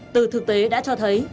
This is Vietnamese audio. từ thực tế đã cho thấy